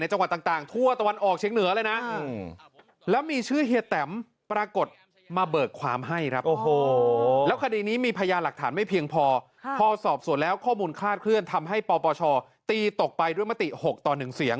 ในจังหวัดต่างทั่วตะวันออกเชียงเหนือเลยนะ